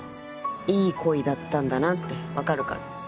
いい恋だったんだなって分かるから。